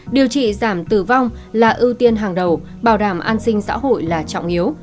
điều trị giảm tử vong là ưu tiên hàng đầu bảo đảm an sinh xã hội là trọng yếu